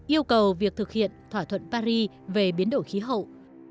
yêu cầu việc thực hiện thỏa thuận paris về biến đổi khí hậu